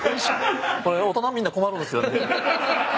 これ大人みんな困るんすよね。